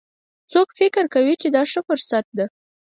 څوک فکر کوي چې دا ښه فرصت ده